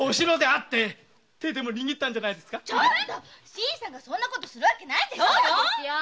新さんがそんなことするわけないでしょ！